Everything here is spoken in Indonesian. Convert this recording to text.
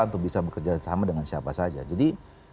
untuk bisa bekerja sama dengan siapa saja jadi